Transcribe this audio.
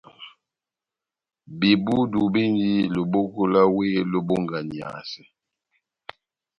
Bebudu bendi loboko lá wéh lobonganiyasɛ.